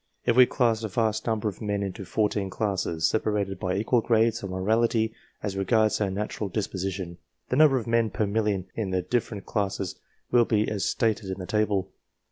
If we class a vast number of men into fourteen classes, separated by equal grades of morality as regards their natural disposition, the number of men per million in the different classes will be as stated in the table.